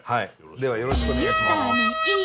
ではよろしくお願いします。